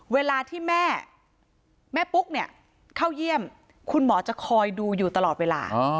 เวลาที่แม่แม่ปุ๊กเนี่ยเข้าเยี่ยมคุณหมอจะคอยดูอยู่ตลอดเวลา